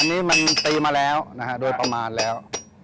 อันนี้มันตีมาแล้วนะฮะโดยประมาณแล้ว